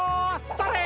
それ。